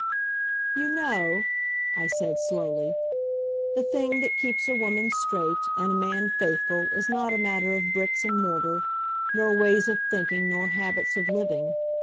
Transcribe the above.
"You know," I said slowly, "the thing that keeps a woman straight and a man faithful is not a matter of bricks and mortar nor ways of thinking nor habits of living.